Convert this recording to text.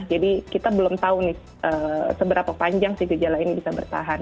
jadi kita belum tahu nih seberapa panjang sih gejala ini bisa bertahan